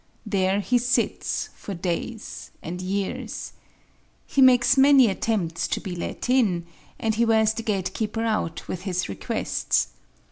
There he sits for days and years. He makes many attempts to be let in, and he wears the gatekeeper out with his requests.